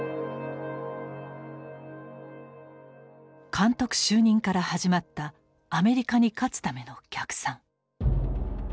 監督就任から始まったアメリカに勝つための逆算。